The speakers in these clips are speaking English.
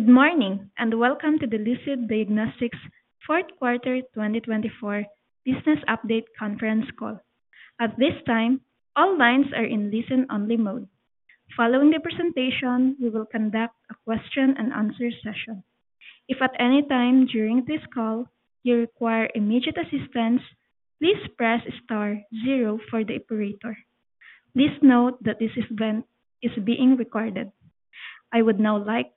Good morning and welcome to the Lucid Diagnostics Q4 2024 Business Update Conference Call. At this time, all lines are in listen-only mode. Following the presentation, we will conduct a question-and-answer session. If at any time during this call you require immediate assistance, please press star zero for the operator. Please note that this event is being recorded. I would now like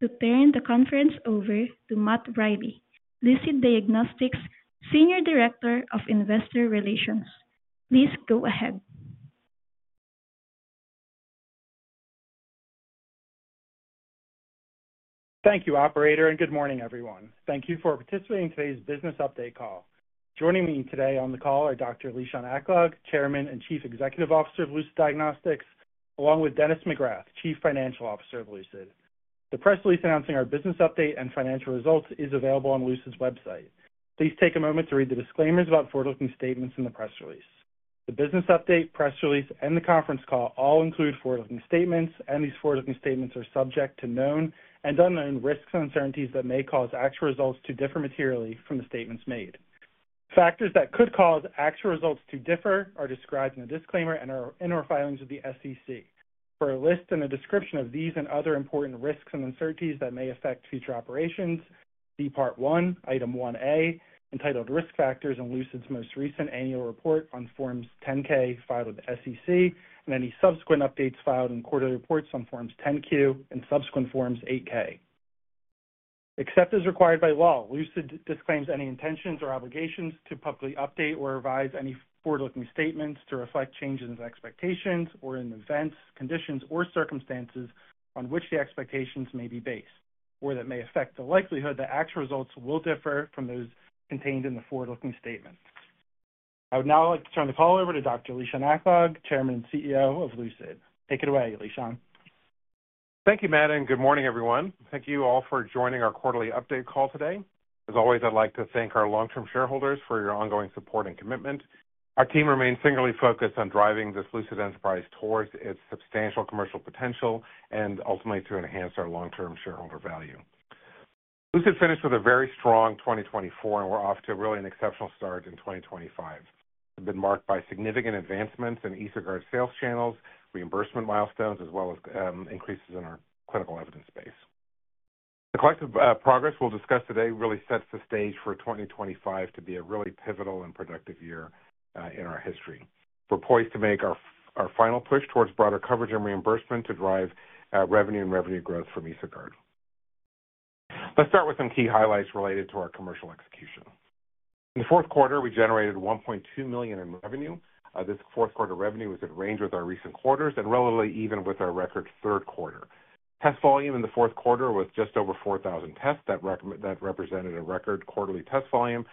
to turn the conference over to Matt Riley, Lucid Diagnostics Senior Director of Investor Relations. Please go ahead. Thank you, Operator, and good morning, everyone. Thank you for participating in today's Business Update Call. Joining me today on the call are Dr. Lishan Aklog, Chairman and Chief Executive Officer of Lucid Diagnostics, along with Dennis McGrath, Chief Financial Officer of Lucid. The press release announcing our Business Update and financial results is available on Lucid's website. Please take a moment to read the disclaimers about forward-looking statements in the press release. The Business Update, press release, and the conference call all include forward-looking statements, and these forward-looking statements are subject to known and unknown risks and uncertainties that may cause actual results to differ materially from the statements made. Factors that could cause actual results to differ are described in the disclaimer and are in our filings with the U.S. Securities and Exchange Commission. For a list and a description of these and other important risks and uncertainties that may affect future operations, see Part 1, Item 1A, entitled Risk Factors in Lucid's most recent annual report on Forms 10-K filed with the U.S. Securities and Exchange Commission, and any subsequent updates filed in quarterly reports on Forms 10-Q and subsequent Forms 8-K. Except as required by law, Lucid disclaims any intentions or obligations to publicly update or revise any forward-looking statements to reflect changes in expectations or in events, conditions, or circumstances on which the expectations may be based, or that may affect the likelihood that actual results will differ from those contained in the forward-looking statements. I would now like to turn the call over to Dr. Lishan Aklog, Chairman and CEO of Lucid. Take it away, Lishan. Thank you, Matt, and good morning, everyone. Thank you all for joining our quarterly update call today. As always, I'd like to thank our long-term shareholders for your ongoing support and commitment. Our team remains singularly focused on driving this Lucid enterprise towards its substantial commercial potential and ultimately to enhance our long-term shareholder value. Lucid finished with a very strong 2024, and we're off to really an exceptional start in 2025. It's been marked by significant advancements in EsoGuard sales channels, reimbursement milestones, as well as increases in our clinical evidence base. The collective progress we'll discuss today really sets the stage for 2025 to be a really pivotal and productive year in our history. We're poised to make our final push towards broader coverage and reimbursement to drive revenue and revenue growth from EsoGuard. Let's start with some key highlights related to our commercial execution. In the fourth quarter, we generated $1.2 million in revenue. This fourth quarter revenue was in range with our recent quarters and relatively even with our record third quarter. Test volume in the fourth quarter was just over 4,000 tests that represented a record quarterly test volume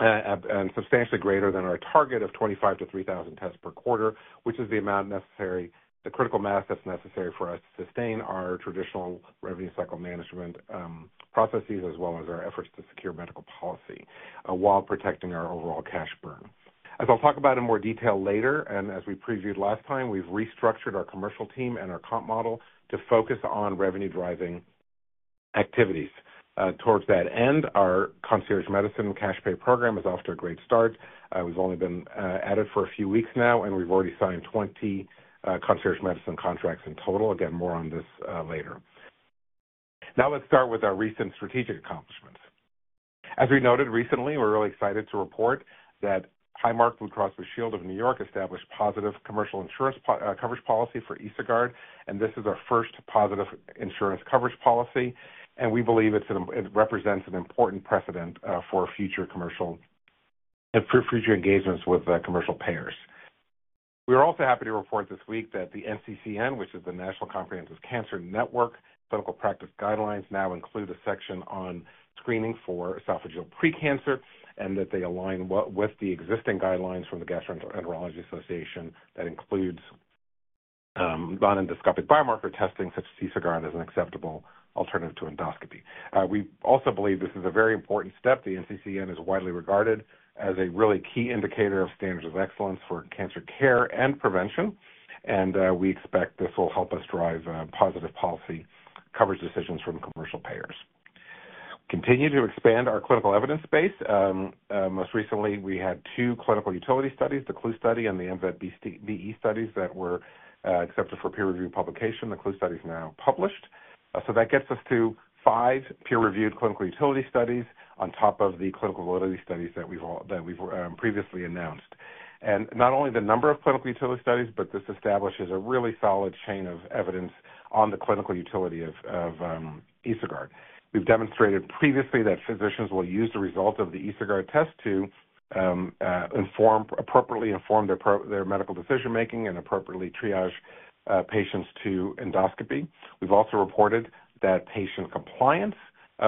and substantially greater than our target of 2,500-3,000 tests per quarter, which is the amount necessary, the critical mass that's necessary for us to sustain our traditional revenue cycle management processes, as well as our efforts to secure medical policy while protecting our overall cash burn. As I'll talk about in more detail later, and as we previewed last time, we've restructured our commercial team and our comp model to focus on revenue-driving activities. Towards that end, our concierge medicine cash pay program has off to a great start. We've only been at it for a few weeks now, and we've already signed 20 concierge medicine contracts in total. Again, more on this later. Now let's start with our recent strategic accomplishments. As we noted recently, we're really excited to report that Highmark Blue Cross Blue Shield of New York established positive commercial insurance coverage policy for EsoGuard, and this is our first positive insurance coverage policy, and we believe it represents an important precedent for future commercial and future engagements with commercial payers. We are also happy to report this week that the NCCN, which is the National Comprehensive Cancer Network, clinical practice guidelines now include a section on screening for esophageal precancer and that they align with the existing guidelines from the Gastroenterology Association that includes non-endoscopic biomarker testing, such as EsoGuard, as an acceptable alternative to endoscopy. We also believe this is a very important step. The NCCN is widely regarded as a really key indicator of standards of excellence for cancer care and prevention, and we expect this will help us drive positive policy coverage decisions from commercial payers. We continue to expand our clinical evidence base. Most recently, we had two clinical utility studies, the CLUE study and the MVET-BE studies that were accepted for peer-reviewed publication. The CLUE study is now published. That gets us to five peer-reviewed clinical utility studies on top of the clinical validity studies that we've previously announced. Not only the number of clinical utility studies, but this establishes a really solid chain of evidence on the clinical utility of EsoGuard. We've demonstrated previously that physicians will use the results of the EsoGuard test to appropriately inform their medical decision-making and appropriately triage patients to endoscopy. We've also reported that patient compliance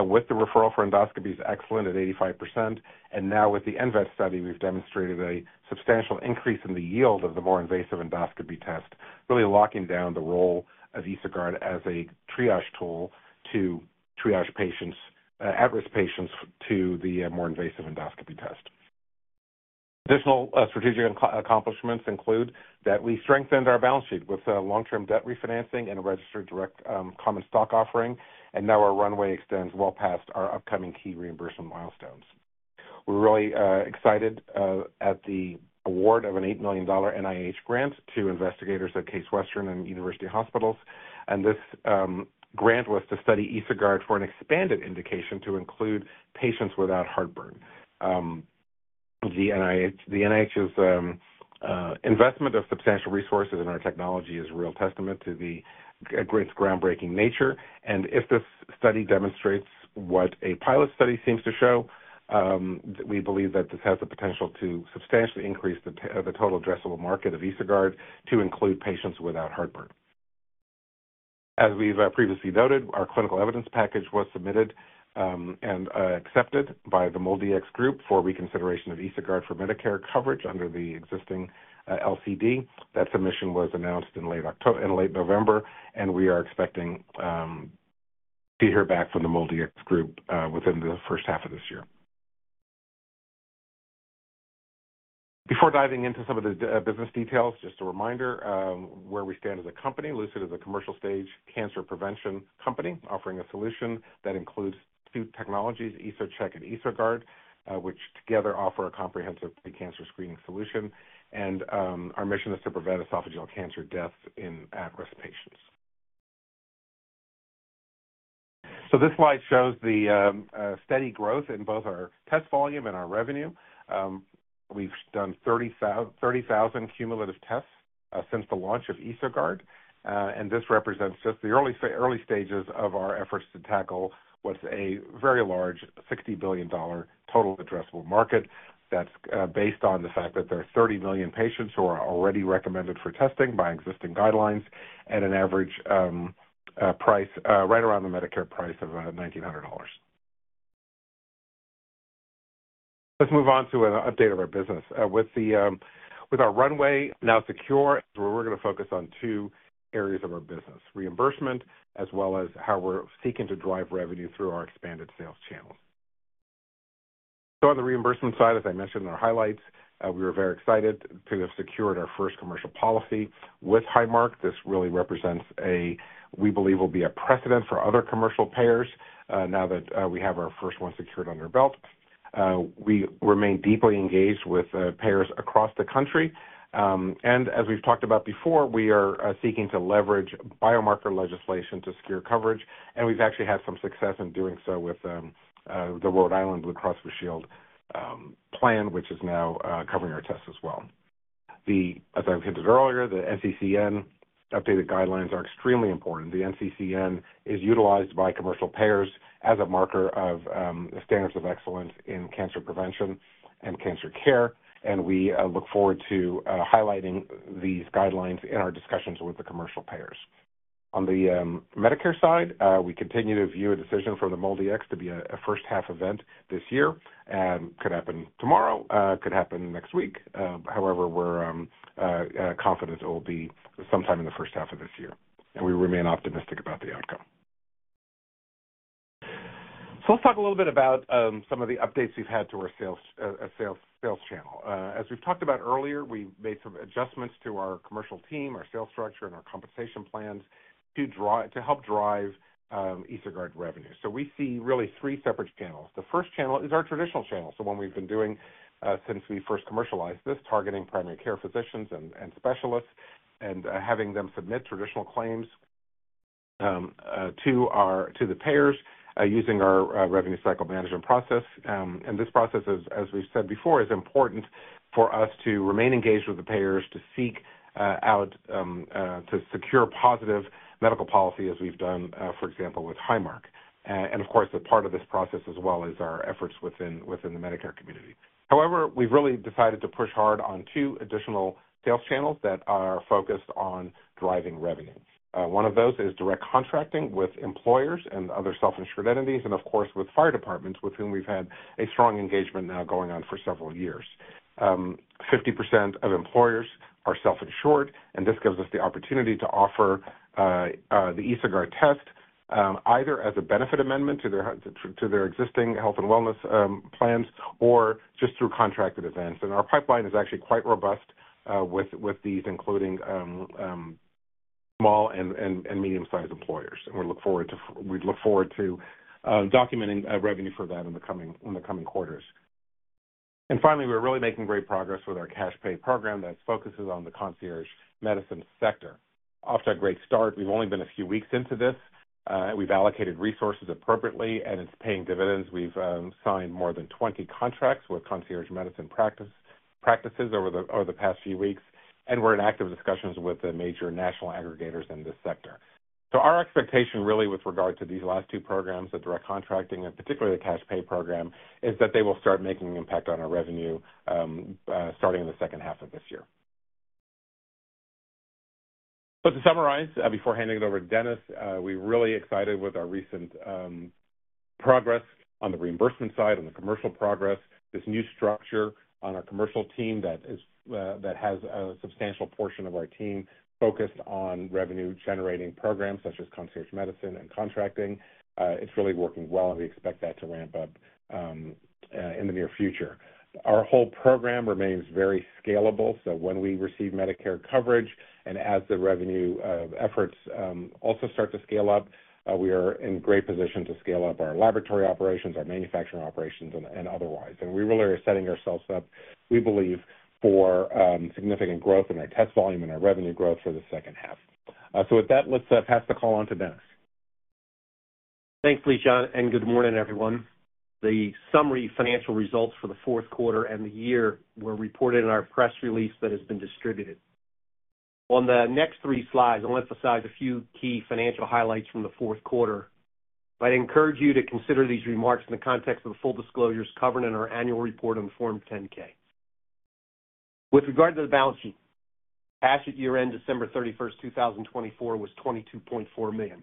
with the referral for endoscopy is excellent at 85%, and now with the MVET study, we've demonstrated a substantial increase in the yield of the more invasive endoscopy test, really locking down the role of EsoGuard as a triage tool to triage patients, at-risk patients, to the more invasive endoscopy test. Additional strategic accomplishments include that we strengthened our balance sheet with long-term debt refinancing and a registered direct common stock offering, and now our runway extends well past our upcoming key reimbursement milestones. We're really excited at the award of an $8 million NIH grant to investigators at Case Western Reserve University and University Hospitals, and this grant was to study EsoGuard for an expanded indication to include patients without heartburn. The NIH's investment of substantial resources in our technology is a real testament to the grant's groundbreaking nature, and if this study demonstrates what a pilot study seems to show, we believe that this has the potential to substantially increase the total addressable market of EsoGuard to include patients without heartburn. As we've previously noted, our clinical evidence package was submitted and accepted by the MolDX group for reconsideration of EsoGuard for Medicare coverage under the existing LCD. That submission was announced in late November, and we are expecting to hear back from the MolDX group within the first half of this year. Before diving into some of the business details, just a reminder where we stand as a company. Lucid is a commercial stage cancer prevention company offering a solution that includes two technologies, EsoCheck and EsoGuard, which together offer a comprehensive precancer screening solution, and our mission is to prevent esophageal cancer deaths in at-risk patients. This slide shows the steady growth in both our test volume and our revenue. We've done 30,000 cumulative tests since the launch of EsoGuard, and this represents just the early stages of our efforts to tackle what's a very large $60 billion total addressable market that's based on the fact that there are 30 million patients who are already recommended for testing by existing guidelines at an average price right around the Medicare price of $1,900. Let's move on to an update of our business. With our runway now secure, we're going to focus on two areas of our business: reimbursement, as well as how we're seeking to drive revenue through our expanded sales channels. On the reimbursement side, as I mentioned in our highlights, we were very excited to have secured our first commercial policy with Highmark. This really represents a, we believe, will be a precedent for other commercial payers now that we have our first one secured under our belt. We remain deeply engaged with payers across the country, and as we've talked about before, we are seeking to leverage biomarker legislation to secure coverage, and we've actually had some success in doing so with the Rhode Island Blue Cross Blue Shield plan, which is now covering our tests as well. As I've hinted earlier, the NCCN updated guidelines are extremely important. The NCCN is utilized by commercial payers as a marker of standards of excellence in cancer prevention and cancer care, and we look forward to highlighting these guidelines in our discussions with the commercial payers. On the Medicare side, we continue to view a decision from the MolDX to be a first half event this year. It could happen tomorrow, it could happen next week. However, we're confident it will be sometime in the first half of this year, and we remain optimistic about the outcome. Let's talk a little bit about some of the updates we've had to our sales channel. As we've talked about earlier, we've made some adjustments to our commercial team, our sales structure, and our compensation plans to help drive EsoGuard revenue. We see really three separate channels. The first channel is our traditional channel, so one we've been doing since we first commercialized this, targeting primary care physicians and specialists and having them submit traditional claims to the payers using our revenue cycle management process. This process, as we've said before, is important for us to remain engaged with the payers to seek out to secure positive medical policy as we've done, for example, with Highmark. A part of this process as well is our efforts within the Medicare community. However, we've really decided to push hard on two additional sales channels that are focused on driving revenue. One of those is direct contracting with employers and other self-insured entities, and of course, with fire departments, with whom we've had a strong engagement now going on for several years. 50% of employers are self-insured, and this gives us the opportunity to offer the EsoGuard test either as a benefit amendment to their existing health and wellness plans or just through contracted events. Our pipeline is actually quite robust with these, including small and medium-sized employers, and we look forward to documenting revenue for that in the coming quarters. Finally, we're really making great progress with our cash pay program that focuses on the concierge medicine sector. Off to a great start. We've only been a few weeks into this. We've allocated resources appropriately, and it's paying dividends. We've signed more than 20 contracts with concierge medicine practices over the past few weeks, and we're in active discussions with the major national aggregators in this sector. Our expectation really with regard to these last two programs, the direct contracting and particularly the cash pay program, is that they will start making an impact on our revenue starting in the second half of this year. To summarize, before handing it over to Dennis, we're really excited with our recent progress on the reimbursement side and the commercial progress, this new structure on our commercial team that has a substantial portion of our team focused on revenue-generating programs such as concierge medicine and contracting. It's really working well, and we expect that to ramp up in the near future. Our whole program remains very scalable, so when we receive Medicare coverage and as the revenue efforts also start to scale up, we are in great position to scale up our laboratory operations, our manufacturing operations, and otherwise. We really are setting ourselves up, we believe, for significant growth in our test volume and our revenue growth for the second half. With that, let's pass the call on to Dennis. Thank you, Lishan, and good morning, everyone. The summary financial results for the fourth quarter and the year were reported in our press release that has been distributed. On the next three slides, I'll emphasize a few key financial highlights from the fourth quarter, but I'd encourage you to consider these remarks in the context of the full disclosures covered in our annual report on Form 10-K. With regard to the balance sheet, cash at year-end December 31, 2024, was $22.4 million.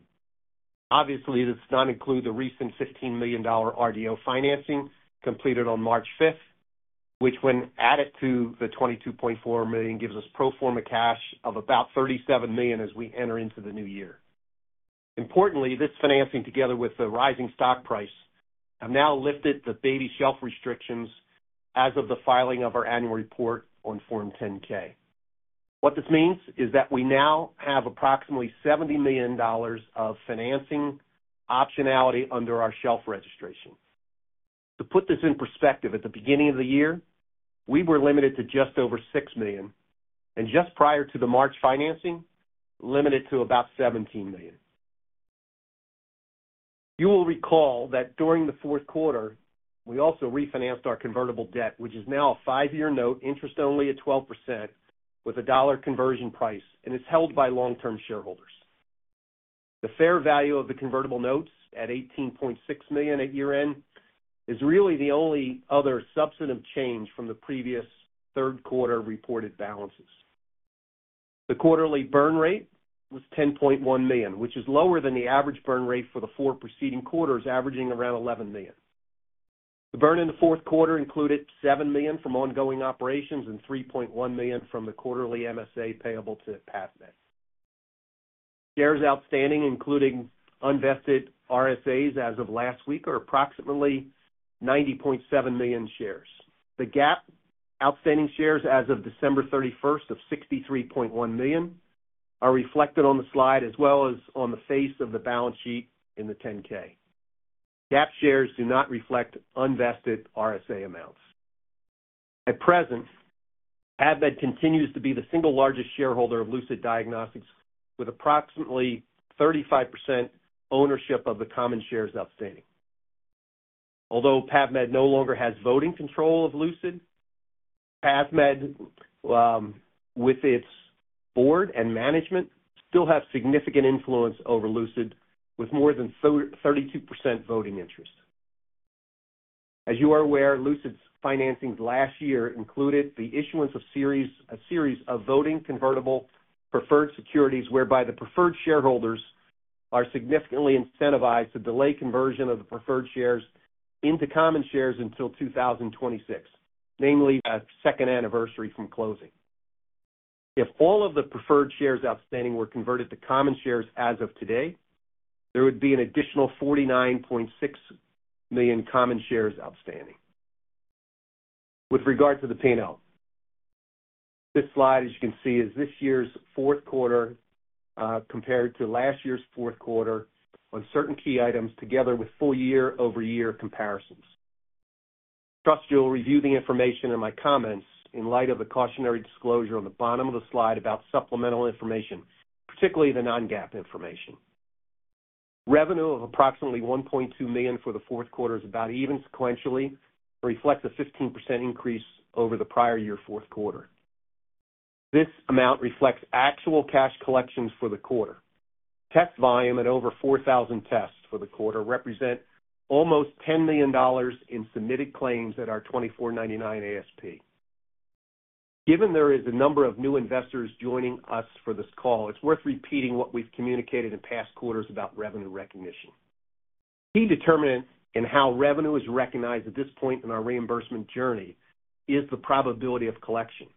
Obviously, this does not include the recent $15 million RDO financing completed on March 5, which, when added to the $22.4 million, gives us pro forma cash of about $37 million as we enter into the new year. Importantly, this financing, together with the rising stock price, has now lifted the baby shelf restrictions as of the filing of our annual report on Form 10-K. What this means is that we now have approximately $70 million of financing optionality under our shelf registration. To put this in perspective, at the beginning of the year, we were limited to just over $6 million, and just prior to the March financing, limited to about $17 million. You will recall that during the fourth quarter, we also refinanced our convertible debt, which is now a five-year note, interest-only at 12% with a dollar conversion price, and it's held by long-term shareholders. The fair value of the convertible notes at $18.6 million at year-end is really the only other substantive change from the previous third quarter reported balances. The quarterly burn rate was $10.1 million, which is lower than the average burn rate for the four preceding quarters, averaging around $11 million. The burn in the fourth quarter included $7 million from ongoing operations and $3.1 million from the quarterly MSA payable to PAVmed. Shares outstanding, including unvested RSAs as of last week, are approximately 90.7 million shares. The GAAP outstanding shares as of December 31 of 63.1 million are reflected on the slide as well as on the face of the balance sheet in the 10-K. GAAP shares do not reflect unvested RSA amounts. At present, PAVmed continues to be the single largest shareholder of Lucid Diagnostics, with approximately 35% ownership of the common shares outstanding. Although PAVmed no longer has voting control of Lucid, PAVmed, with its board and management, still has significant influence over Lucid, with more than 32% voting interest. As you are aware, Lucid's financing last year included the issuance of a series of voting convertible preferred securities, whereby the preferred shareholders are significantly incentivized to delay conversion of the preferred shares into common shares until 2026, namely a second anniversary from closing. If all of the preferred shares outstanding were converted to common shares as of today, there would be an additional 49.6 million common shares outstanding. With regard to the payout, this slide, as you can see, is this year's fourth quarter compared to last year's fourth quarter on certain key items together with full year-over-year comparisons. Trust you'll review the information in my comments in light of the cautionary disclosure on the bottom of the slide about supplemental information, particularly the non-GAAP information. Revenue of approximately $1.2 million for the fourth quarter is about even sequentially reflects a 15% increase over the prior year fourth quarter. This amount reflects actual cash collections for the quarter. Test volume and over 4,000 tests for the quarter represent almost $10 million in submitted claims at our $2,499 ASP. Given there is a number of new investors joining us for this call, it's worth repeating what we've communicated in past quarters about revenue recognition. Key determinants in how revenue is recognized at this point in our reimbursement journey is the probability of collection.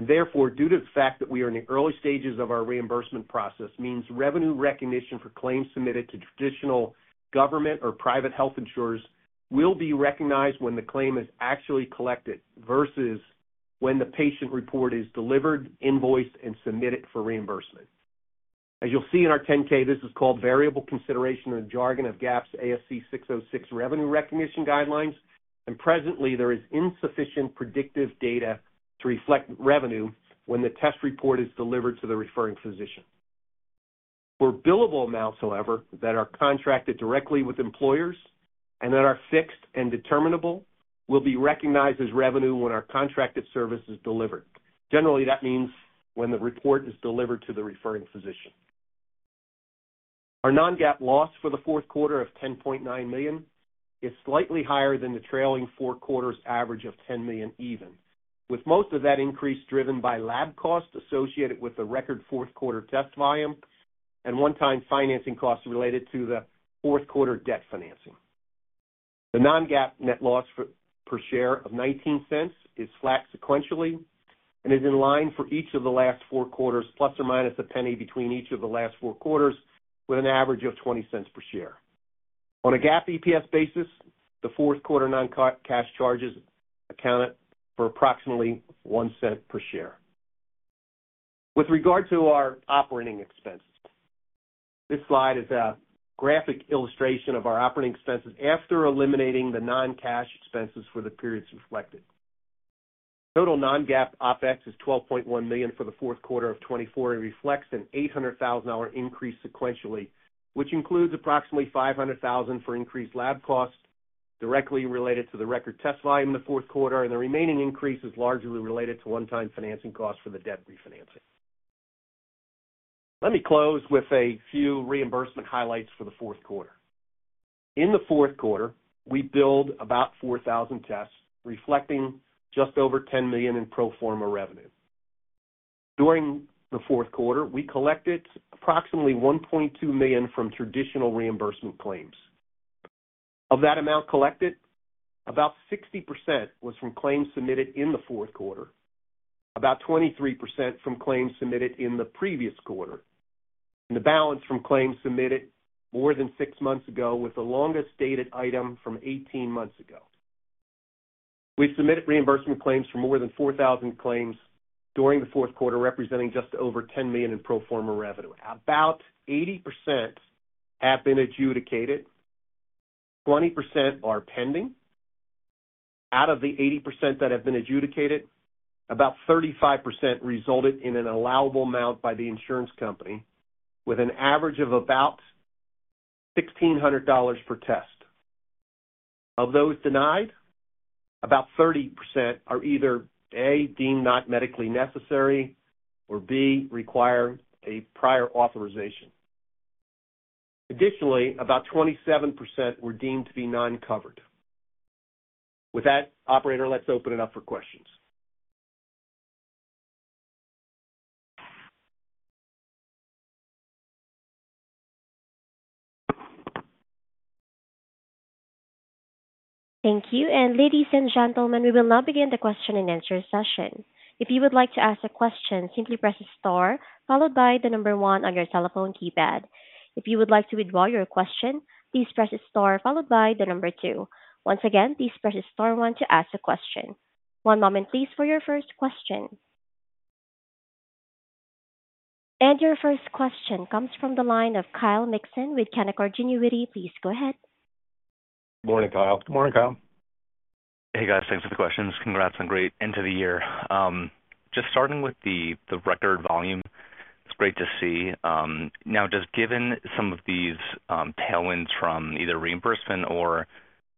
Therefore, due to the fact that we are in the early stages of our reimbursement process, revenue recognition for claims submitted to traditional government or private health insurers will be recognized when the claim is actually collected versus when the patient report is delivered, invoiced, and submitted for reimbursement. As you'll see in our 10-K, this is called variable consideration in the jargon of GAAP's ASC 606 revenue recognition guidelines, and presently, there is insufficient predictive data to reflect revenue when the test report is delivered to the referring physician. For billable amounts, however, that are contracted directly with employers and that are fixed and determinable, will be recognized as revenue when our contracted service is delivered. Generally, that means when the report is delivered to the referring physician. Our non-GAAP loss for the fourth quarter of $10.9 million is slightly higher than the trailing four quarters' average of $10 million even, with most of that increase driven by lab costs associated with the record fourth quarter test volume and one-time financing costs related to the fourth quarter debt financing. The non-GAAP net loss per share of $0.19 is flat sequentially and is in line for each of the last four quarters, plus or minus a penny between each of the last four quarters, with an average of $0.20 per share. On a GAAP EPS basis, the fourth quarter non-cash charges account for approximately $0.01 per share. With regard to our operating expenses, this slide is a graphic illustration of our operating expenses after eliminating the non-cash expenses for the periods reflected. Total non-GAAP OpEx is $12.1 million for the fourth quarter of 2024 and reflects an $800,000 increase sequentially, which includes approximately $500,000 for increased lab costs directly related to the record test volume in the fourth quarter, and the remaining increase is largely related to one-time financing costs for the debt refinancing. Let me close with a few reimbursement highlights for the fourth quarter. In the fourth quarter, we billed about 4,000 tests, reflecting just over $10 million in pro forma revenue. During the fourth quarter, we collected approximately $1.2 million from traditional reimbursement claims. Of that amount collected, about 60% was from claims submitted in the fourth quarter, about 23% from claims submitted in the previous quarter, and the balance from claims submitted more than six months ago, with the longest dated item from 18 months ago. We submitted reimbursement claims for more than 4,000 claims during the fourth quarter, representing just over $10 million in pro forma revenue. About 80% have been adjudicated. 20% are pending. Out of the 80% that have been adjudicated, about 35% resulted in an allowable amount by the insurance company, with an average of about $1,600 per test. Of those denied, about 30% are either A, deemed not medically necessary, or B, require a prior authorization. Additionally, about 27% were deemed to be non-covered. With that, operator, let's open it up for questions. Thank you. Ladies and gentlemen, we will now begin the question and answer session. If you would like to ask a question, simply press star followed by the number one on your telephone keypad. If you would like to withdraw your question, please press star followed by the number two. Once again, please press star one to ask a question. One moment, please, for your first question. Your first question comes from the line of Kyle Mixon with Canaccord Genuity. Please go ahead. Good morning, Kyle. Good morning, Kyle. Hey, guys. Thanks for the questions. Congrats on a great end of the year. Just starting with the record volume, it's great to see. Now, just given some of these tailwinds from either reimbursement or,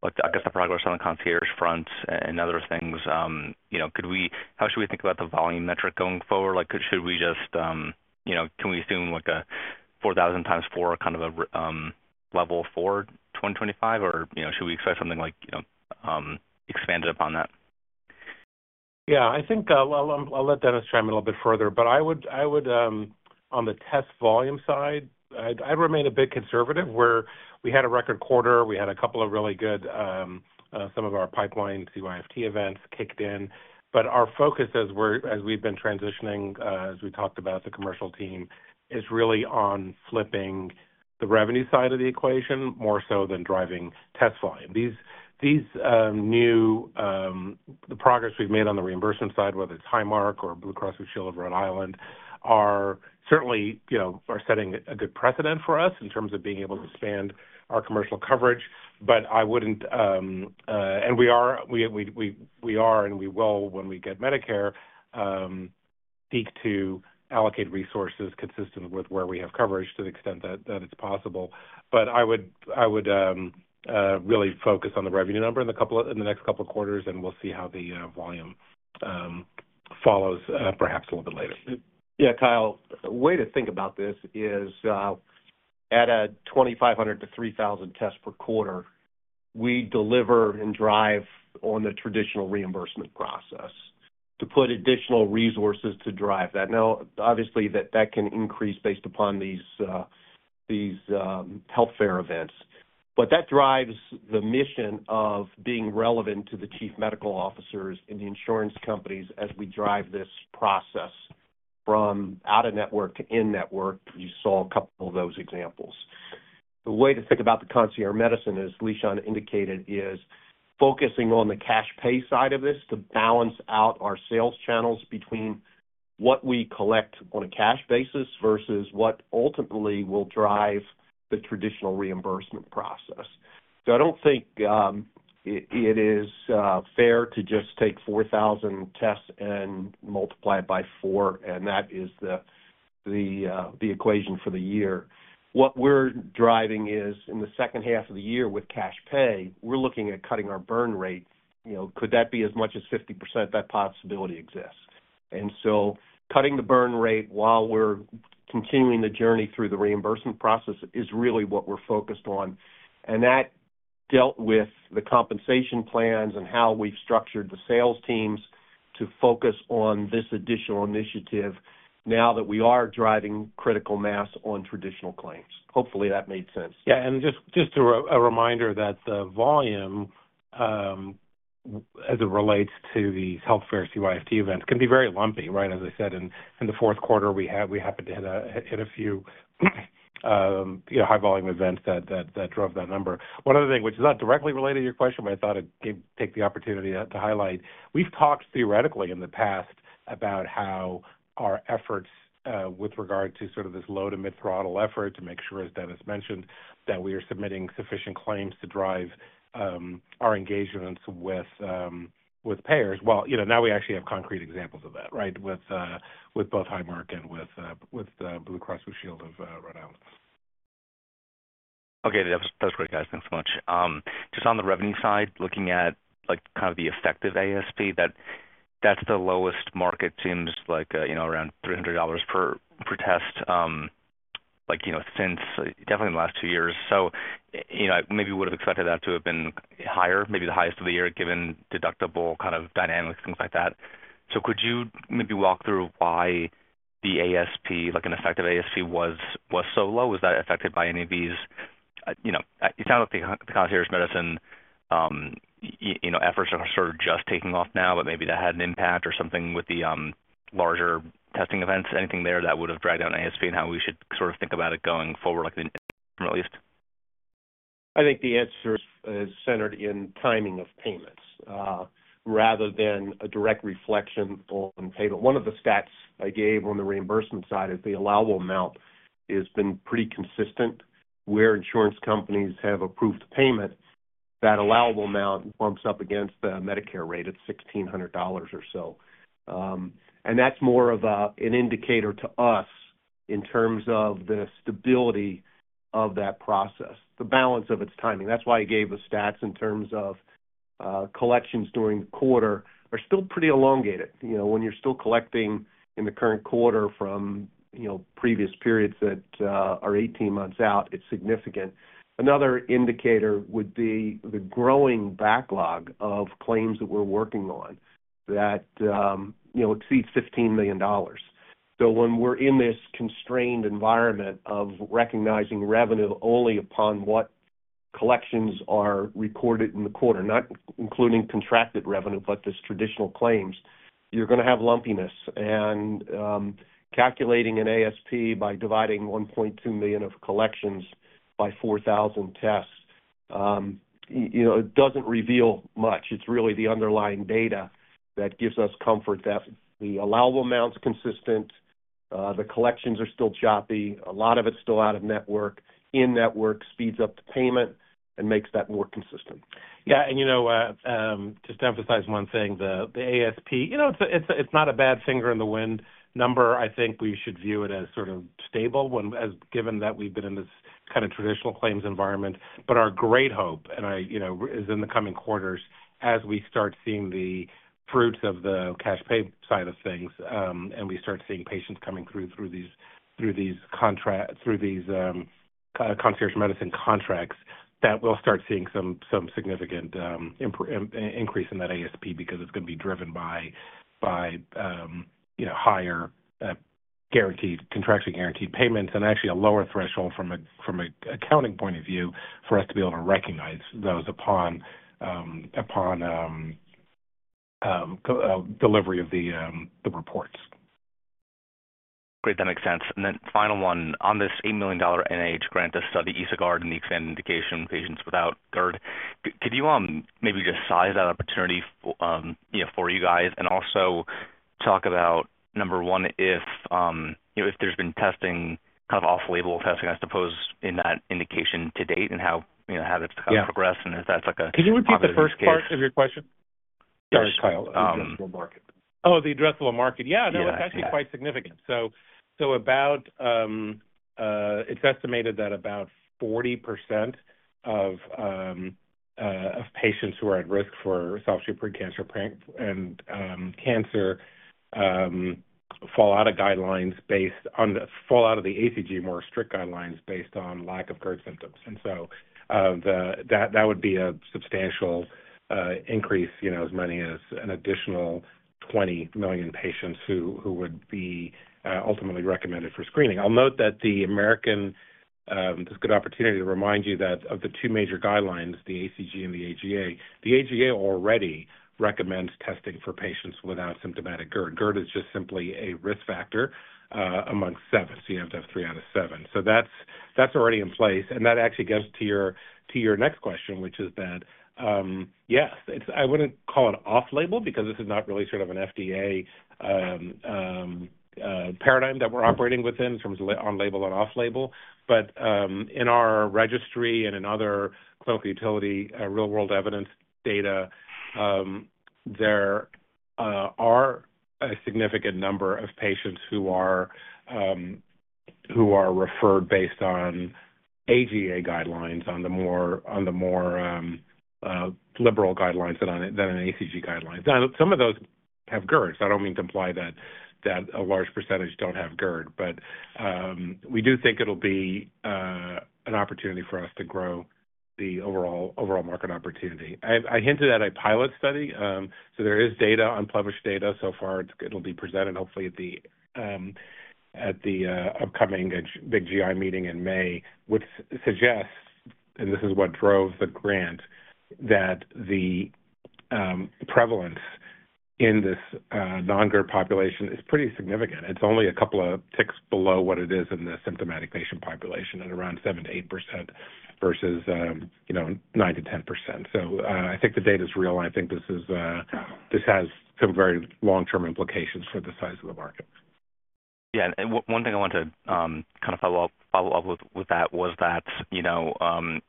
I guess, the progress on the concierge front and other things, how should we think about the volume metric going forward? Should we just, can we assume a 4,000 times 4 kind of a level for 2025, or should we expect something expanded upon that? Yeah. I think I'll let Dennis chime in a little bit further, but I would, on the test volume side, I remain a bit conservative, where we had a record quarter. We had a couple of really good, some of our pipeline CYFT events kicked in. Our focus, as we've been transitioning, as we talked about, the commercial team, is really on flipping the revenue side of the equation more so than driving test volume. The progress we've made on the reimbursement side, whether it's Highmark or Blue Cross Blue Shield of Rhode Island, certainly are setting a good precedent for us in terms of being able to expand our commercial coverage. I wouldn't, and we are, and we will, when we get Medicare, seek to allocate resources consistent with where we have coverage to the extent that it's possible. I would really focus on the revenue number in the next couple of quarters, and we'll see how the volume follows, perhaps a little bit later. Yeah, Kyle, the way to think about this is, at a $2,500 to $3,000 test per quarter, we deliver and drive on the traditional reimbursement process to put additional resources to drive that. Now, obviously, that can increase based upon these health fair events. That drives the mission of being relevant to the chief medical officers and the insurance companies as we drive this process from out-of-network to in-network. You saw a couple of those examples. The way to think about the concierge medicine, as Lishan indicated, is focusing on the cash pay side of this to balance out our sales channels between what we collect on a cash basis versus what ultimately will drive the traditional reimbursement process. I don't think it is fair to just take 4,000 tests and multiply it by 4, and that is the equation for the year. What we're driving is, in the second half of the year with cash pay, we're looking at cutting our burn rate. Could that be as much as 50%? That possibility exists. Cutting the burn rate while we're continuing the journey through the reimbursement process is really what we're focused on. That dealt with the compensation plans and how we've structured the sales teams to focus on this additional initiative now that we are driving critical mass on traditional claims. Hopefully, that made sense. Yeah. Just a reminder that the volume, as it relates to these health fair CYFT events, can be very lumpy, right? As I said, in the fourth quarter, we happened to hit a few high-volume events that drove that number. One other thing, which is not directly related to your question, but I thought I'd take the opportunity to highlight. We've talked theoretically in the past about how our efforts with regard to sort of this low to mid-throttle effort to make sure, as Dennis mentioned, that we are submitting sufficient claims to drive our engagements with payers. Now we actually have concrete examples of that, right, with both Highmark and with Blue Cross Blue Shield of Rhode Island. Okay. That's great, guys. Thanks so much. Just on the revenue side, looking at kind of the effective ASP, that's the lowest mark, seems like around $300 per test since definitely in the last two years. Maybe we would have expected that to have been higher, maybe the highest of the year, given deductible kind of dynamics, things like that. Could you maybe walk through why the ASP, an effective ASP, was so low? Was that affected by any of these? It sounds like the concierge medicine efforts are sort of just taking off now, but maybe that had an impact or something with the larger testing events. Anything there that would have dragged down ASP and how we should sort of think about it going forward, at least? I think the answer is centered in timing of payments rather than a direct reflection on payment. One of the stats I gave on the reimbursement side is the allowable amount has been pretty consistent where insurance companies have approved payment. That allowable amount bumps up against the Medicare rate at $1,600 or so. That is more of an indicator to us in terms of the stability of that process, the balance of its timing. That is why I gave the stats in terms of collections during the quarter are still pretty elongated. When you are still collecting in the current quarter from previous periods that are 18 months out, it is significant. Another indicator would be the growing backlog of claims that we are working on that exceeds $15 million. When we're in this constrained environment of recognizing revenue only upon what collections are recorded in the quarter, not including contracted revenue, but just traditional claims, you're going to have lumpiness. Calculating an ASP by dividing $1.2 million of collections by 4,000 tests doesn't reveal much. It's really the underlying data that gives us comfort that the allowable amount's consistent, the collections are still choppy, a lot of it's still out of network. In-network speeds up the payment and makes that more consistent. Yeah. Just to emphasize one thing, the ASP, it's not a bad finger in the wind number. I think we should view it as sort of stable, given that we've been in this kind of traditional claims environment. Our great hope, and it is in the coming quarters, as we start seeing the fruits of the cash pay side of things and we start seeing patients coming through these concierge medicine contracts, that we'll start seeing some significant increase in that ASP because it's going to be driven by higher guaranteed contractual guaranteed payments and actually a lower threshold from an accounting point of view for us to be able to recognize those upon delivery of the reports. Great. That makes sense. Final one, on this $8 million NIH grant that's done to EsoGuard and the expanded indication patients without GERD, could you maybe just size that opportunity for you guys and also talk about, number one, if there's been testing, kind of off-label testing, I suppose, in that indication to date and how it's progressed and if that's a case? Can you repeat the first part of your question? Sorry, Kyle. The addressable market. Oh, the addressable market. Yeah. No, it's actually quite significant. It's estimated that about 40% of patients who are at risk for soft tissue cancer fall out of guidelines based on fall out of the ACG, more strict guidelines based on lack of GERD symptoms. That would be a substantial increase, as many as an additional 20 million patients who would be ultimately recommended for screening. I'll note that the American—this is a good opportunity to remind you that of the two major guidelines, the ACG and the AGA, the AGA already recommends testing for patients without symptomatic GERD. GERD is just simply a risk factor among seven. You have to have three out of seven. That's already in place. That actually gets to your next question, which is that, yes, I wouldn't call it off-label because this is not really sort of an FDA paradigm that we're operating within in terms of on-label and off-label. In our registry and in other clinical utility real-world evidence data, there are a significant number of patients who are referred based on AGA guidelines, on the more liberal guidelines than an ACG guideline. Now, some of those have GERD. I don't mean to imply that a large percentage don't have GERD. We do think it'll be an opportunity for us to grow the overall market opportunity. I hinted at a pilot study. There is data, unpublished data so far. It'll be presented, hopefully, at the upcoming big GI meeting in May, which suggests—this is what drove the grant—that the prevalence in this non-GERD population is pretty significant. It's only a couple of ticks below what it is in the symptomatic patient population at around 7-8% versus 9-10%. I think the data is real. I think this has some very long-term implications for the size of the market. Yeah. One thing I want to kind of follow up with that was that in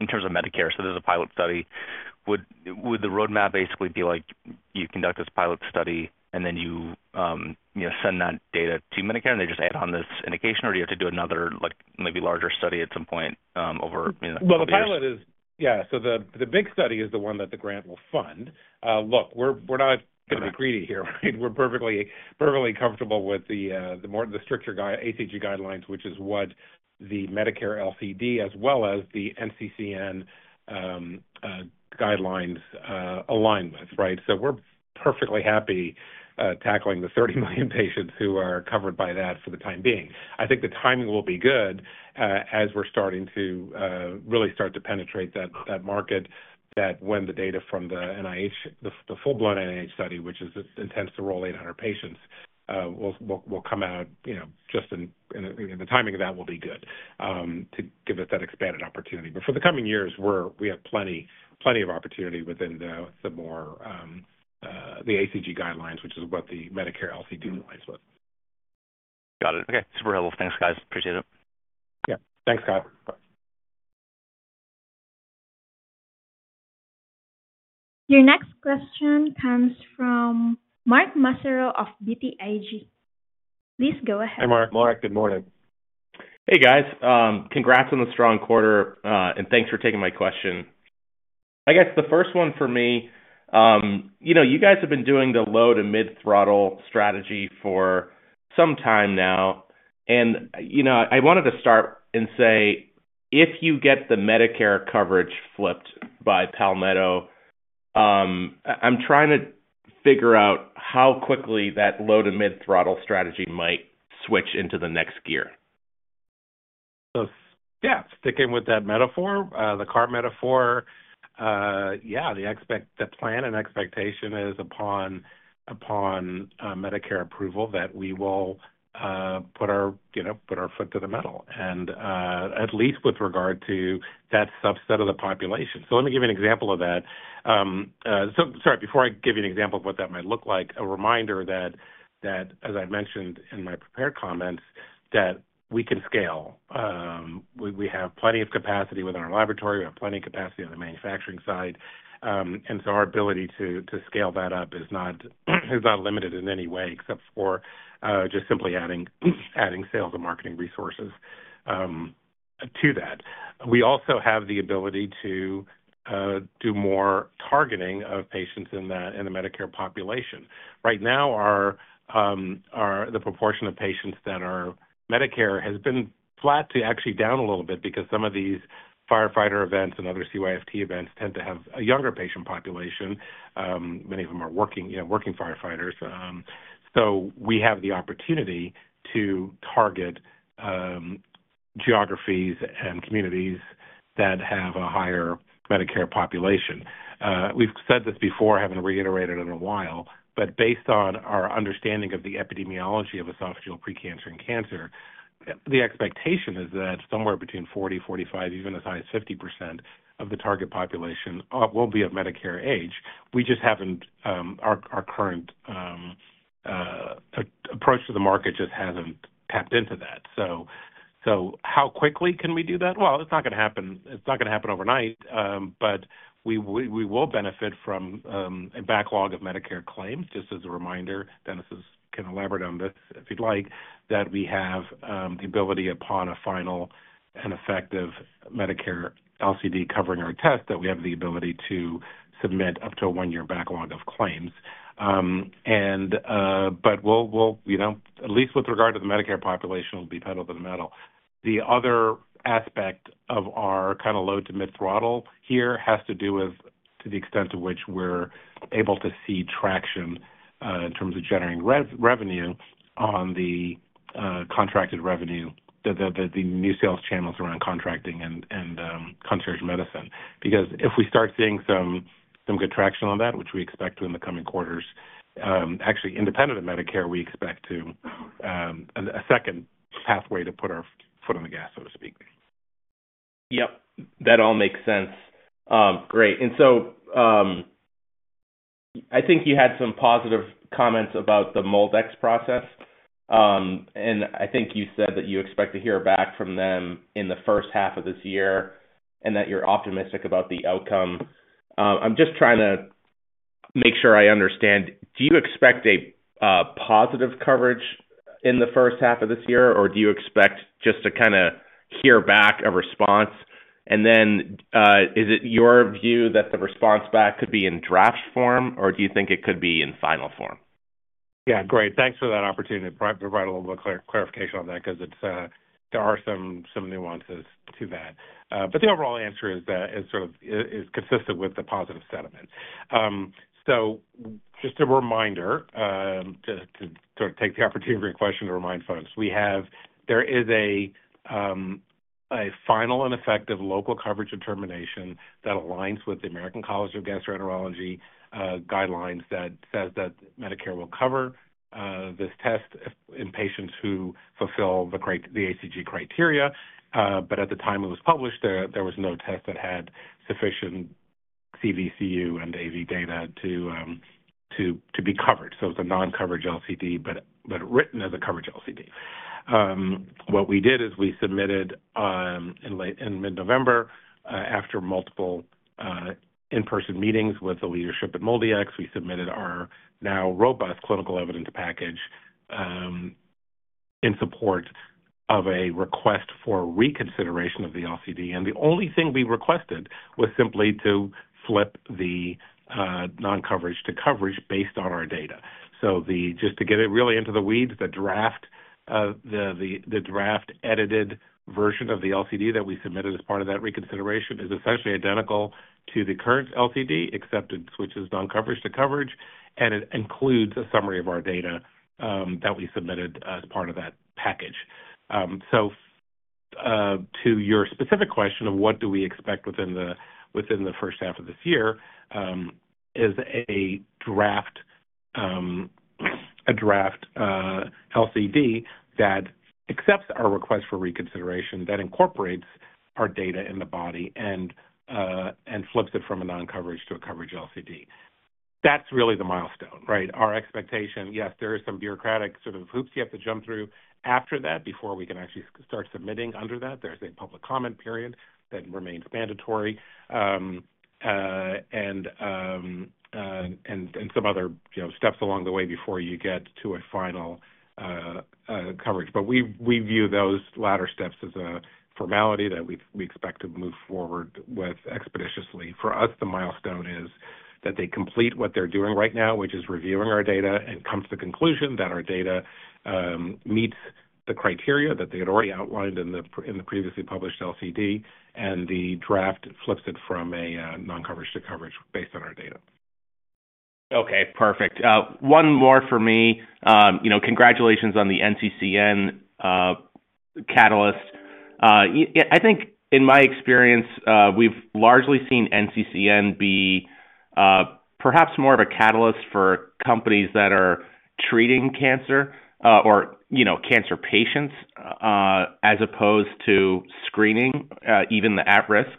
terms of Medicare, there is a pilot study. Would the roadmap basically be like, you conduct this pilot study, and then you send that data to Medicare, and they just add on this indication? Or do you have to do another maybe larger study at some point over? The pilot is—yeah. The big study is the one that the grant will fund. Look, we're not going to be greedy here, right? We're perfectly comfortable with the stricter ACG guidelines, which is what the Medicare LCD as well as the NCCN guidelines align with, right? We're perfectly happy tackling the 30 million patients who are covered by that for the time being. I think the timing will be good as we're starting to really start to penetrate that market, that when the data from the NIH, the full-blown NIH study, which intends to roll 800 patients, will come out, just in the timing of that will be good to give us that expanded opportunity. For the coming years, we have plenty of opportunity within the ACG guidelines, which is what the Medicare LCD aligns with. Got it. Okay. Super helpful. Thanks, guys. Appreciate it. Yeah. Thanks, Scott. Bye. Your next question comes from Mark Massaro of BTIG. Please go ahead. Hey, Mark. Mark, good morning. Hey, guys. Congrats on the strong quarter. Thanks for taking my question. I guess the first one for me, you guys have been doing the low to mid-throttle strategy for some time now. I wanted to start and say, if you get the Medicare coverage flipped by Palmetto, I'm trying to figure out how quickly that low to mid-throttle strategy might switch into the next gear. Sticking with that metaphor, the car metaphor, the plan and expectation is upon Medicare approval that we will put our foot to the metal, at least with regard to that subset of the population. Let me give you an example of that. Sorry, before I give you an example of what that might look like, a reminder that, as I mentioned in my prepared comments, we can scale. We have plenty of capacity within our laboratory. We have plenty of capacity on the manufacturing side. Our ability to scale that up is not limited in any way except for just simply adding sales and marketing resources to that. We also have the ability to do more targeting of patients in the Medicare population. Right now, the proportion of patients that are Medicare has been flat to actually down a little bit because some of these firefighter events and other CYFT events tend to have a younger patient population. Many of them are working firefighters. We have the opportunity to target geographies and communities that have a higher Medicare population. We've said this before, haven't reiterated it in a while, but based on our understanding of the epidemiology of esophageal precancer and cancer, the expectation is that somewhere between 40-45, even as high as 50% of the target population will be of Medicare age. We just haven't—our current approach to the market just hasn't tapped into that. How quickly can we do that? It's not going to happen overnight. We will benefit from a backlog of Medicare claims. Just as a reminder, Dennis can elaborate on this if you'd like, that we have the ability upon a final and effective Medicare LCD covering our test that we have the ability to submit up to a one-year backlog of claims. At least with regard to the Medicare population, it'll be pedal to the metal. The other aspect of our kind of low to mid-throttle here has to do with to the extent to which we're able to see traction in terms of generating revenue on the contracted revenue, the new sales channels around contracting and concierge medicine. Because if we start seeing some good traction on that, which we expect in the coming quarters, actually independent of Medicare, we expect a second pathway to put our foot on the gas, so to speak. Yep. That all makes sense. Great. I think you had some positive comments about the MolDX process. I think you said that you expect to hear back from them in the first half of this year and that you're optimistic about the outcome. I'm just trying to make sure I understand. Do you expect a positive coverage in the first half of this year, or do you expect just to kind of hear back a response? Is it your view that the response back could be in draft form, or do you think it could be in final form? Yeah. Great. Thanks for that opportunity to provide a little bit of clarification on that because there are some nuances to that. The overall answer is sort of consistent with the positive sentiment. Just a reminder to sort of take the opportunity of your question to remind folks. There is a final and effective local coverage determination that aligns with the American College of Gastroenterology guidelines that says that Medicare will cover this test in patients who fulfill the ACG criteria. At the time it was published, there was no test that had sufficient CV, CU and AV data to be covered. It is a non-coverage LCD, but written as a coverage LCD. What we did is we submitted in mid-November, after multiple in-person meetings with the leadership at MolDX, we submitted our now robust clinical evidence package in support of a request for reconsideration of the LCD. The only thing we requested was simply to flip the non-coverage to coverage based on our data. Just to get it really into the weeds, the draft edited version of the LCD that we submitted as part of that reconsideration is essentially identical to the current LCD, except it switches non-coverage to coverage. It includes a summary of our data that we submitted as part of that package. To your specific question of what do we expect within the first half of this year, it is a draft LCD that accepts our request for reconsideration, that incorporates our data in the body, and flips it from a non-coverage to a coverage LCD. That is really the milestone, right? Our expectation, yes, there is some bureaucratic sort of hoops you have to jump through after that before we can actually start submitting under that. There's a public comment period that remains mandatory and some other steps along the way before you get to a final coverage. We view those latter steps as a formality that we expect to move forward with expeditiously. For us, the milestone is that they complete what they're doing right now, which is reviewing our data and come to the conclusion that our data meets the criteria that they had already outlined in the previously published LCD, and the draft flips it from a non-coverage to coverage based on our data. Okay. Perfect. One more for me. Congratulations on the NCCN catalyst. I think in my experience, we've largely seen NCCN be perhaps more of a catalyst for companies that are treating cancer or cancer patients as opposed to screening, even the at-risk.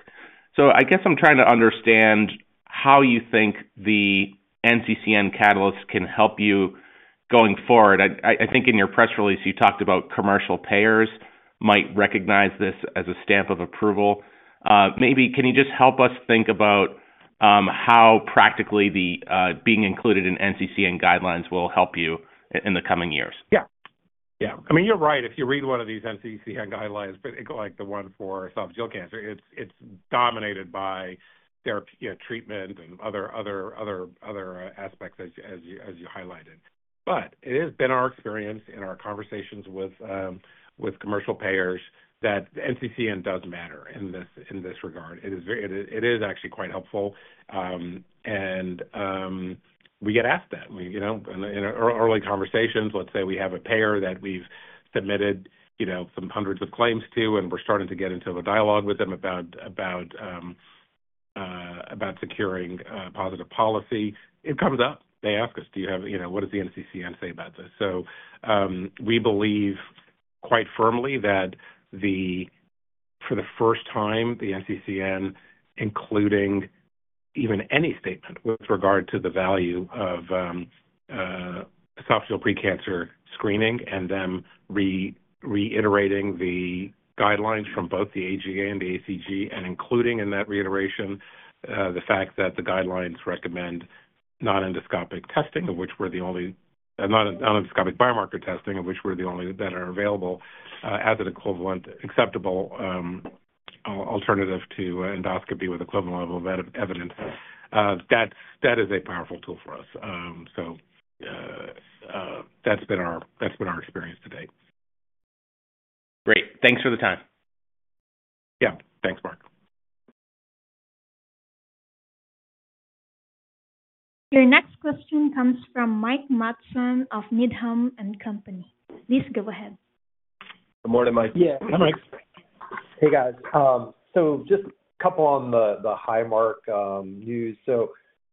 I guess I'm trying to understand how you think the NCCN catalyst can help you going forward. I think in your press release, you talked about commercial payers might recognize this as a stamp of approval. Maybe can you just help us think about how practically being included in NCCN guidelines will help you in the coming years? Yeah. Yeah. I mean, you're right. If you read one of these NCCN guidelines, particularly like the one for esophageal cancer, it's dominated by their treatment and other aspects, as you highlighted. It has been our experience in our conversations with commercial payers that NCCN does matter in this regard. It is actually quite helpful. We get asked that. In early conversations, let's say we have a payer that we've submitted some hundreds of claims to, and we're starting to get into the dialogue with them about securing positive policy. It comes up. They ask us, "Do you have what does the NCCN say about this?" We believe quite firmly that for the first time, the NCCN, including even any statement with regard to the value of esophageal precancer screening and them reiterating the guidelines from both the AGA and the ACG, and including in that reiteration the fact that the guidelines recommend non-endoscopic testing, of which we're the only non-endoscopic biomarker testing, of which we're the only that are available as an equivalent acceptable alternative to endoscopy with equivalent level of evidence, that is a powerful tool for us. That has been our experience today. Great. Thanks for the time. Yeah. Thanks, Mark. Your next question comes from Mike Matson of Needham & Company. Please go ahead. Good morning, Mike. Yeah. Hi, Mike. Hey, guys. Just a couple on the Highmark news. It's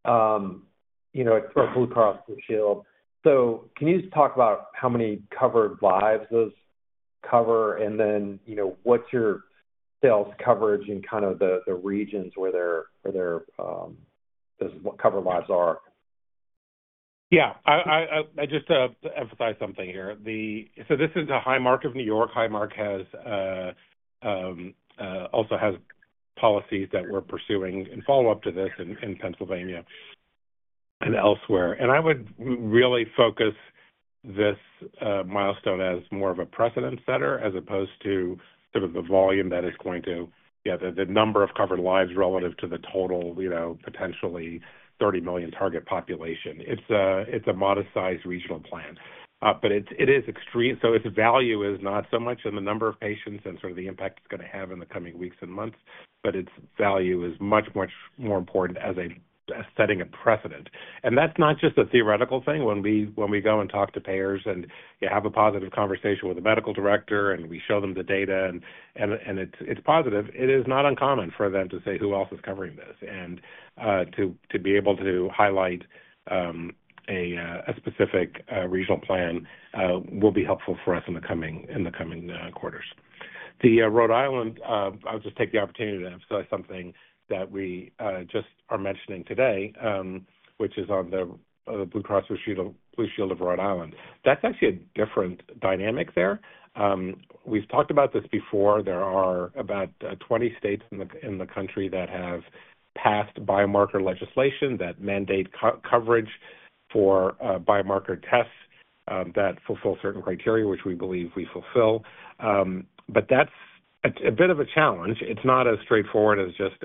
for Blue Cross Blue Shield. Can you just talk about how many covered lives those cover? What's your sales coverage in the regions where those covered lives are? I just emphasize something here. This is a Highmark of New York. Highmark also has policies that we're pursuing in follow-up to this in Pennsylvania and elsewhere. I would really focus this milestone as more of a precedent setter as opposed to the volume that is going to, yeah, the number of covered lives relative to the total potentially 30 million target population. It's a modest-sized regional plan. It is extreme. Its value is not so much in the number of patients and sort of the impact it's going to have in the coming weeks and months, but its value is much, much more important as setting a precedent. That's not just a theoretical thing. When we go and talk to payers and have a positive conversation with the medical director, and we show them the data, and it's positive, it is not uncommon for them to say, "Who else is covering this?" To be able to highlight a specific regional plan will be helpful for us in the coming quarters. The Rhode Island, I'll just take the opportunity to emphasize something that we just are mentioning today, which is on the Blue Cross Blue Shield of Rhode Island. That's actually a different dynamic there. We've talked about this before. There are about 20 states in the country that have passed biomarker legislation that mandate coverage for biomarker tests that fulfill certain criteria, which we believe we fulfill. That is a bit of a challenge. It is not as straightforward as just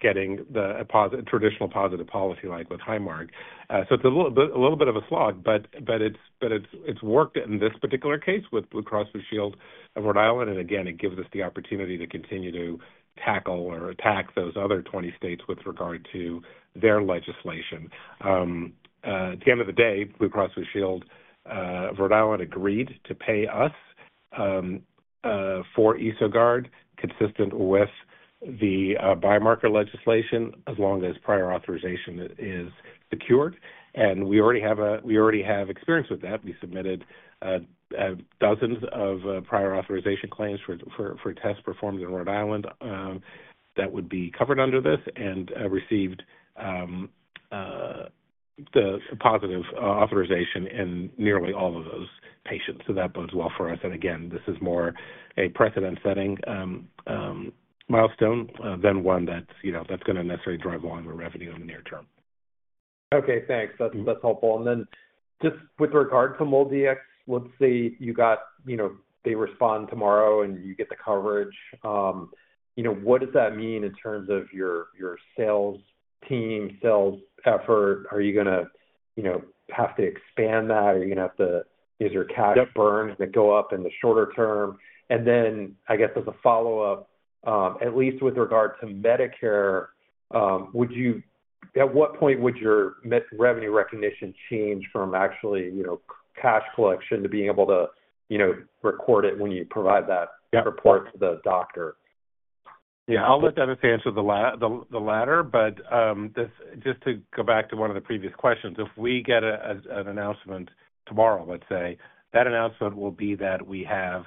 getting a traditional positive policy like with Highmark. It is a little bit of a slog, but it has worked in this particular case with Blue Cross Blue Shield of Rhode Island. It gives us the opportunity to continue to tackle or attack those other 20 states with regard to their legislation. At the end of the day, Blue Cross Blue Shield of Rhode Island agreed to pay us for EsoGuard consistent with the biomarker legislation as long as prior authorization is secured. We already have experience with that. We submitted dozens of prior authorization claims for tests performed in Rhode Island that would be covered under this and received the positive authorization in nearly all of those patients. That bodes well for us. Again, this is more a precedent-setting milestone than one that's going to necessarily drive longer revenue in the near term. Okay. Thanks. That's helpful. With regard to MolDX, let's say they respond tomorrow and you get the coverage. What does that mean in terms of your sales team, sales effort? Are you going to have to expand that? Are you going to have to, is there cash burns that go up in the shorter term? I guess as a follow-up, at least with regard to Medicare, at what point would your revenue recognition change from actually cash collection to being able to record it when you provide that report to the doctor? Yeah. I'll let Dennis answer the latter. Just to go back to one of the previous questions, if we get an announcement tomorrow, let's say, that announcement will be that we have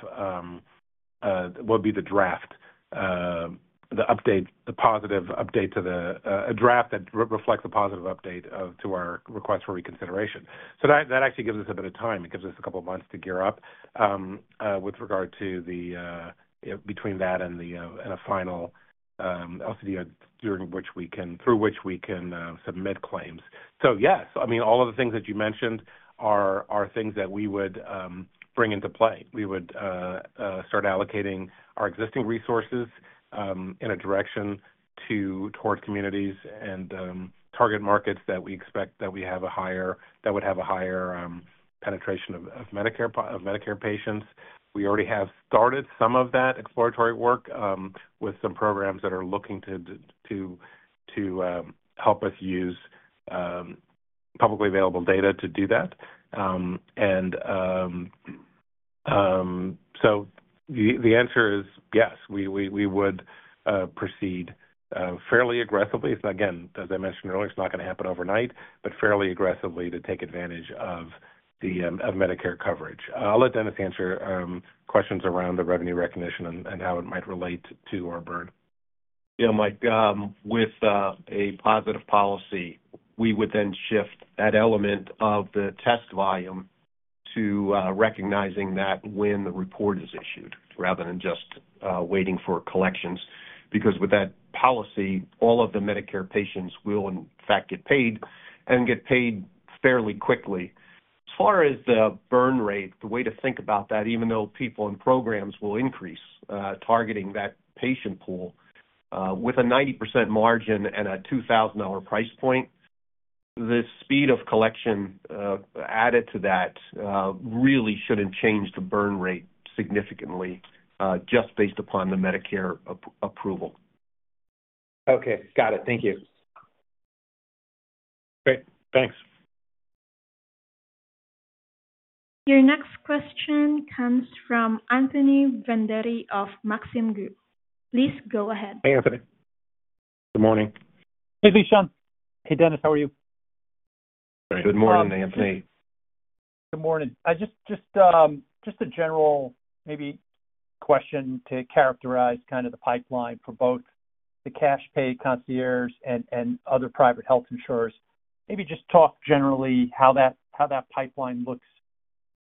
will be the draft, the positive update to a draft that reflects a positive update to our request for reconsideration. That actually gives us a bit of time. It gives us a couple of months to gear up with regard to the between that and a final LCD during which we can submit claims. Yes, I mean, all of the things that you mentioned are things that we would bring into play. We would start allocating our existing resources in a direction towards communities and target markets that we expect that we have a higher that would have a higher penetration of Medicare patients. We already have started some of that exploratory work with some programs that are looking to help us use publicly available data to do that. The answer is yes, we would proceed fairly aggressively. Again, as I mentioned earlier, it's not going to happen overnight, but fairly aggressively to take advantage of Medicare coverage. I'll let Dennis answer questions around the revenue recognition and how it might relate to our burden. Yeah, Mike. With a positive policy, we would then shift that element of the test volume to recognizing that when the report is issued rather than just waiting for collections. Because with that policy, all of the Medicare patients will, in fact, get paid and get paid fairly quickly. As far as the burn rate, the way to think about that, even though people and programs will increase targeting that patient pool, with a 90% margin and a $2,000 price point, the speed of collection added to that really shouldn't change the burn rate significantly just based upon the Medicare approval. Okay. Got it. Thank you. Great. Thanks. Your next question comes from Anthony Vendetti of Maxim Group. Please go ahead. Hey, Anthony. Good morning. Hey, Lishan. Hey, Dennis. How are you? Good morning, Anthony. Good morning. Just a general maybe question to characterize kind of the pipeline for both the cash-pay concierges and other private health insurers. Maybe just talk generally how that pipeline looks,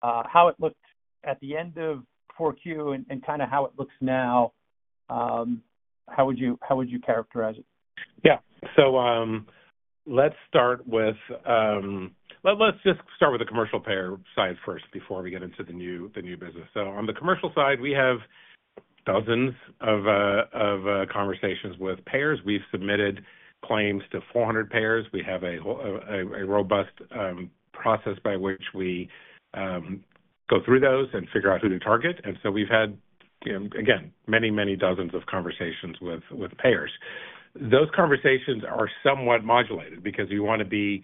how it looked at the end of 4Q, and kind of how it looks now. How would you characterize it? Yeah. Let's start with the commercial payer side first before we get into the new business. On the commercial side, we have dozens of conversations with payers. We've submitted claims to 400 payers. We have a robust process by which we go through those and figure out who to target. We've had, again, many, many dozens of conversations with payers. Those conversations are somewhat modulated because we want to be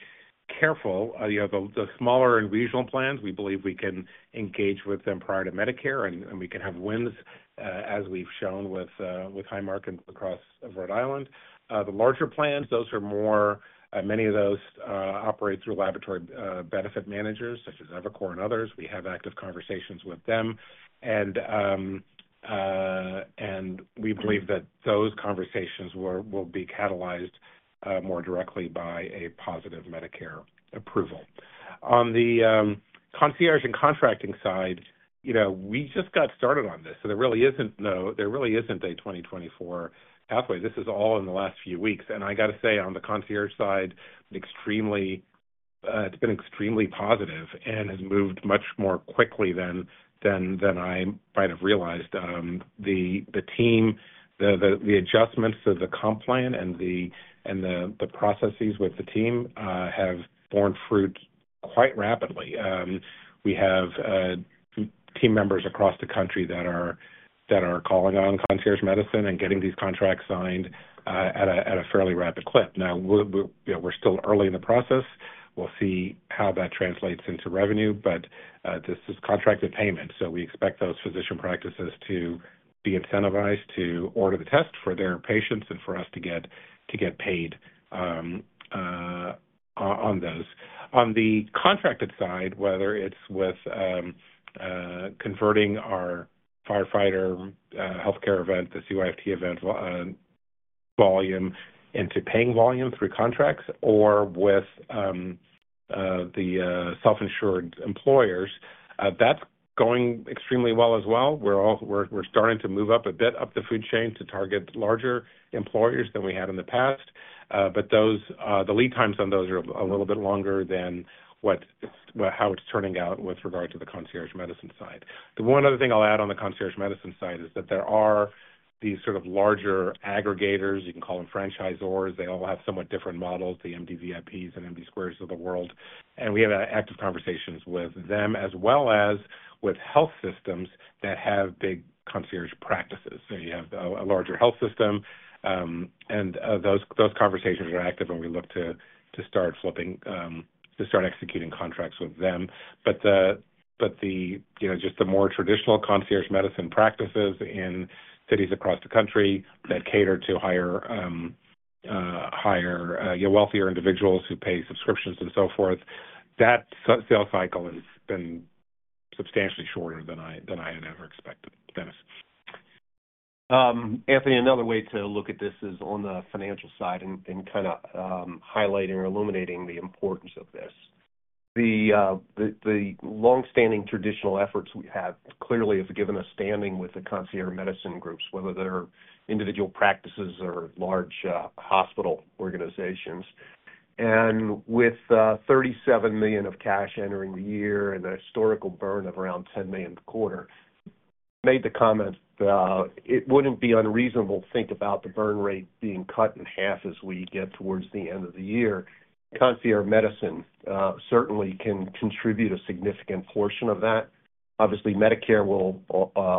careful. The smaller and regional plans, we believe we can engage with them prior to Medicare, and we can have wins, as we've shown with Highmark and Blue Cross of Rhode Island. The larger plans, many of those operate through laboratory benefit managers such as Evolent Health and others. We have active conversations with them. We believe that those conversations will be catalyzed more directly by a positive Medicare approval. On the concierge and contracting side, we just got started on this. There really is not a 2024 pathway. This is all in the last few weeks. I got to say, on the concierge side, it has been extremely positive and has moved much more quickly than I might have realized. The team, the adjustments to the comp plan and the processes with the team have borne fruit quite rapidly. We have team members across the country that are calling on concierge medicine and getting these contracts signed at a fairly rapid clip. We are still early in the process. We will see how that translates into revenue. This is contracted payment. We expect those physician practices to be incentivized to order the test for their patients and for us to get paid on those. On the contracted side, whether it's with converting our firefighter healthcare event, the CYFT event volume into paying volume through contracts, or with the self-insured employers, that's going extremely well as well. We're starting to move up a bit up the food chain to target larger employers than we had in the past. The lead times on those are a little bit longer than how it's turning out with regard to the concierge medicine side. The one other thing I'll add on the concierge medicine side is that there are these sort of larger aggregators. You can call them franchisors. They all have somewhat different models, the MDVIPs and MD Squareds of the world. We have active conversations with them as well as with health systems that have big concierge practices. You have a larger health system. Those conversations are active, and we look to start flipping to start executing contracts with them. Just the more traditional concierge medicine practices in cities across the country that cater to wealthier individuals who pay subscriptions and so forth, that sales cycle has been substantially shorter than I had ever expected, Dennis. Anthony, another way to look at this is on the financial side and kind of highlighting or illuminating the importance of this. The long-standing traditional efforts we have clearly have given a standing with the concierge medicine groups, whether they're individual practices or large hospital organizations. With $37 million of cash entering the year and the historical burn of around $10 million a quarter, I made the comment that it wouldn't be unreasonable to think about the burn rate being cut in half as we get towards the end of the year. Concierge medicine certainly can contribute a significant portion of that. Obviously, Medicare will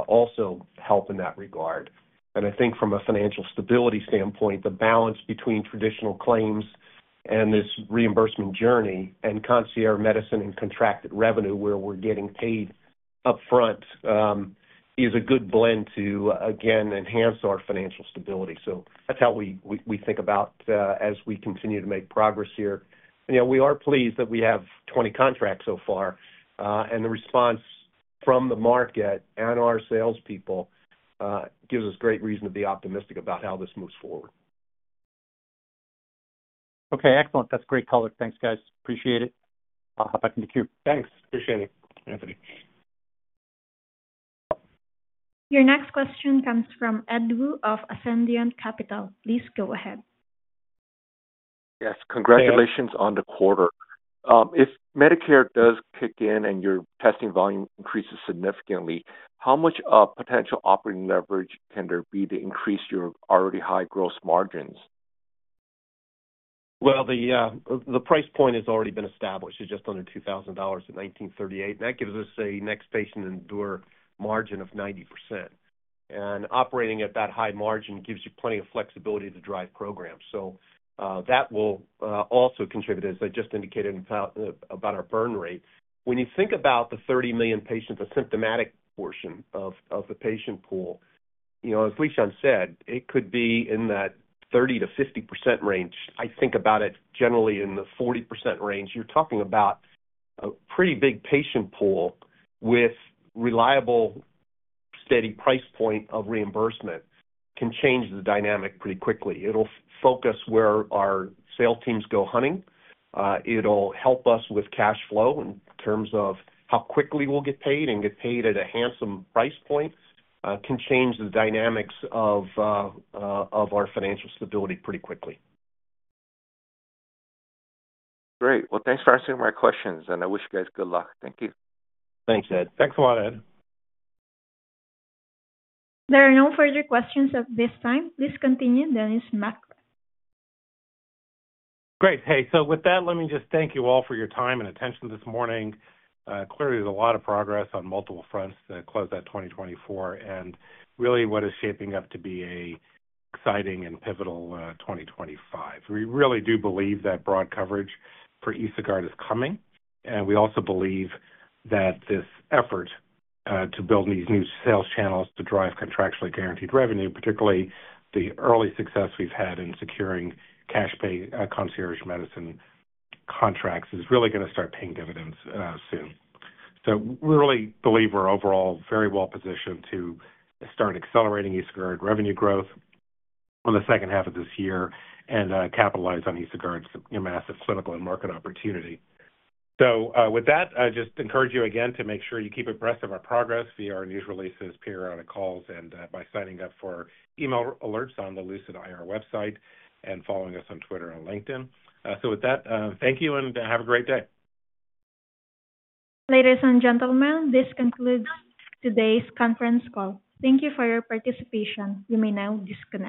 also help in that regard. I think from a financial stability standpoint, the balance between traditional claims and this reimbursement journey and concierge medicine and contracted revenue where we're getting paid upfront is a good blend to, again, enhance our financial stability. That is how we think about as we continue to make progress here. Yeah, we are pleased that we have 20 contracts so far. The response from the market and our salespeople gives us great reason to be optimistic about how this moves forward. Okay. Excellent. That's great color. Thanks, guys. Appreciate it. I'll hop back into queue. Thanks. Appreciate it, Anthony. Your next question comes from Ed Woo of Ascendiant Capital. Please go ahead. Yes. Congratulations on the quarter. If Medicare does kick in and your testing volume increases significantly, how much potential operating leverage can there be to increase your already high gross margins? The price point has already been established. It's just under $2,000 at $1,938. That gives us a next patient in door margin of 90%. Operating at that high margin gives you plenty of flexibility to drive programs. That will also contribute, as I just indicated about our burn rate. When you think about the 30 million patients, the symptomatic portion of the patient pool, as Lishan said, it could be in that 30-50% range. I think about it generally in the 40% range. You're talking about a pretty big patient pool with reliable, steady price point of reimbursement can change the dynamic pretty quickly. It'll focus where our sales teams go hunting. It'll help us with cash flow in terms of how quickly we'll get paid and get paid at a handsome price point can change the dynamics of our financial stability pretty quickly. Great. Thanks for answering my questions. I wish you guys good luck. Thank you. Thanks, Ed. Thanks a lot, Ed. There are no further questions at this time. Please continue, Dennis McGrath. Great. Hey, with that, let me just thank you all for your time and attention this morning. Clearly, there is a lot of progress on multiple fronts to close out 2024 and really what is shaping up to be an exciting and pivotal 2025. We really do believe that broad coverage for EsoGuard is coming. We also believe that this effort to build these new sales channels to drive contractually guaranteed revenue, particularly the early success we have had in securing cash-pay concierge medicine contracts, is really going to start paying dividends soon. We really believe we are overall very well positioned to start accelerating EsoGuard revenue growth in the second half of this year and capitalize on EsoGuard's massive clinical and market opportunity. With that, I just encourage you again to make sure you keep abreast of our progress via our news releases, periodic calls, and by signing up for email alerts on the Lucid IR website and following us on Twitter and LinkedIn. With that, thank you and have a great day. Ladies and gentlemen, this concludes today's conference call. Thank you for your participation. You may now disconnect.